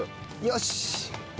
よし！